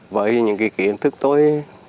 với những kỹ ảnh thức tôi